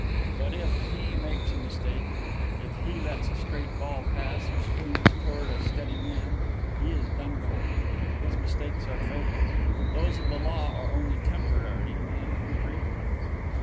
But if he makes a mistake if he lets a straight ball pass or spoons towards a steady man he is done for. His mistakes are fatal; those of the Law are only temporary and retrievable."